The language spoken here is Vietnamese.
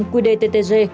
quy đề ttg